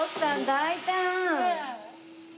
大胆。